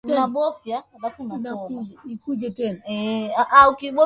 Muongozo wa kufuata kutengeneza viazi lishe